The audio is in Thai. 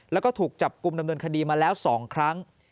แล้วก็ถูกจับกลุ่มดำเนินคดีมาแล้ว๒ครั้ง